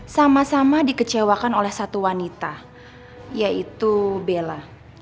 sama sama dikecewakan oleh satu wanita yaitu bella